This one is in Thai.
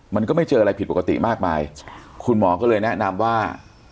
มันก็ไม่เจออะไรผิดปกติมากมายใช่คุณหมอก็เลยแนะนำว่า